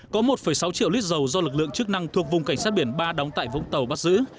có một sáu triệu lít dầu do lực lượng chức năng thuộc vùng cảnh sát biển ba đóng tại vũng tàu bắt giữ